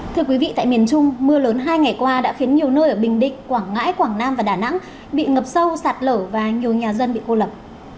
thưa quý vị tại miền trung mưa lớn hai ngày qua đã khiến nhiều nơi ở bình định quảng ngãi quảng nam và đà nẵng bị ngập sâu sạt lở và nhiều nhà dân bị cô lập